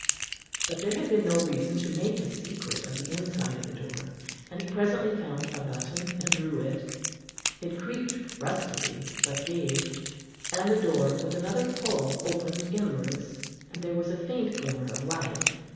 But there had been no reason to make a secret of the inside of the door, and he presently found a button and drew it; it creaked rustily, but gave, and the door with another pull opened inwards, and there was a faint glimmer of light.